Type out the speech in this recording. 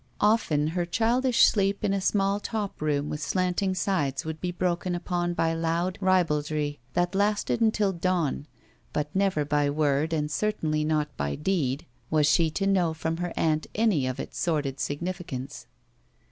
Often her childish sleep in a small top room with slanting sides would be broken upon by loud ribal dry that lasted into dawn, but never by word, and certainly not by deed, was she to know from her aunt any of its sordid significance.